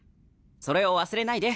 それを忘れないで。